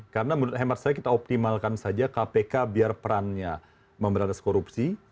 karena menurut hemat saya kita optimalkan saja kpk biar perannya memberantas korupsi